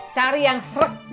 cari yang seret